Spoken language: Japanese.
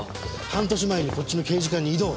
半年前にこっちの刑事課に異動。